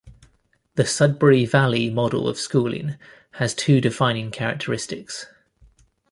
The Sudbury Valley model of schooling has two defining characteristics.